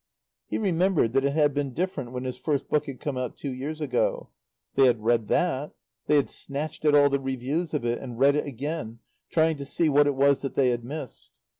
He remembered that it had been different when his first book had come out two years ago. They had read that; they had snatched at all the reviews of it and read it again, trying to see what it was that they had missed.